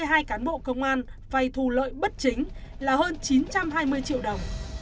các cán bộ công an vai thu lợi bất chính là hơn chín trăm hai mươi triệu đồng